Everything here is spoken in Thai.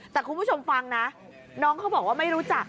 แต่คุณผู้ชมฟังนะน้องเขาบอกว่าไม่รู้จัก